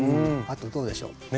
あとどうでしょう。